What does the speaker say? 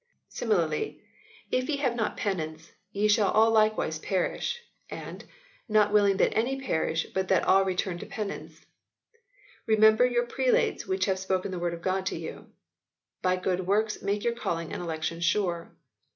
Similarly, "If you have not penance, you shall all likewise perish," and "Not willing that any perish, but that all return to penance ";" Remember your prelates which have spoken the word of God to you ";" By good works make your calling and election sure."